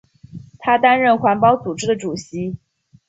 他担任环保组织的主席。